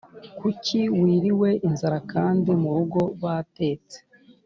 Kuki wiriwe inzara kndi murugo batetse